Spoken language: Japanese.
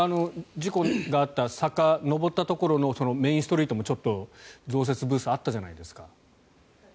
事故があった坂上ったところのメインストリートもちょっと増設ブースがあったじゃないですか。